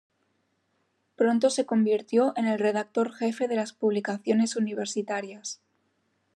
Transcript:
Pronto se convirtió en el redactor jefe de las publicaciones universitarias.